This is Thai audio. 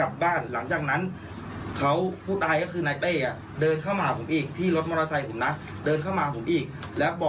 อันนี้คือครั้งที่สองนะครับที่เขามาหาเรื่องแฟนผม